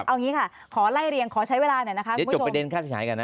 เอาอย่างงี้ค่ะขอไล่เรียงขอใช้เวลาหน่อยนะคะคุณผู้ชมเดี๋ยวจบประเด็นค่าศิษยากันนะ